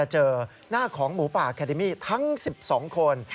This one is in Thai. หน้าของหมูป่าแอคแกดมีทั้ง๑๒คน